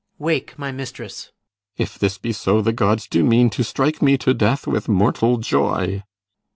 PISANIO. Wake, my mistress! CYMBELINE. If this be so, the gods do mean to strike me To death with mortal joy.